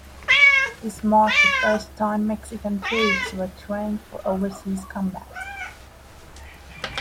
This marked the first time Mexican troops were trained for overseas combat.